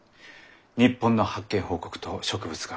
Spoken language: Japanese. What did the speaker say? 日本の発見報告と植物画。